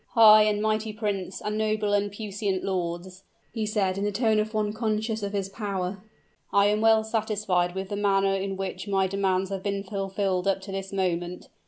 "High and mighty prince, and noble and puissant lords," he said, in the tone of one conscious of his power, "I am well satisfied with the manner in which my demands have been fulfilled up to this moment.